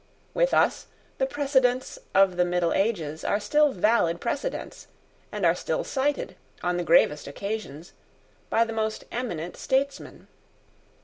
With us the precedents of the middle ages are still valid precedents, and are still cited, on the gravest occasions, by the most eminent Statesmen.